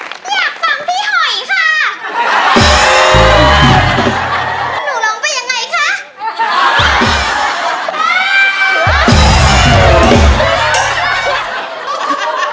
อยากฟังพี่หอยค่ะ